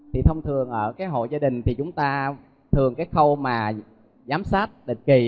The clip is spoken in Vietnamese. thì thông thường ở cái hộ gia đình thì chúng ta thường cái khâu mà giám sát định kỳ